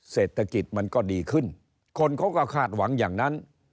เศรษฐกิจมันก็ดีขึ้นคนเขาก็คาดหวังอย่างนั้น